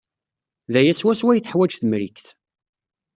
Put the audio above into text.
D aya swaswa ay teḥwaj Temrikt.